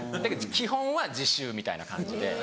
基本は自習みたいな感じで。